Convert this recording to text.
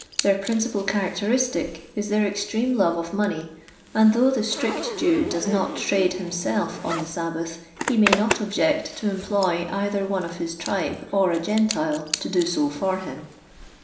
Their principal charactarittic is their extreme lore of money ; uid, though the strict Jew does not trade himself on the Sabbath, he may not object to employ either one of his tribe, or a Gentile, to do so for him.